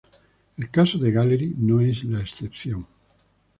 El caso de Gallery no es la excepción.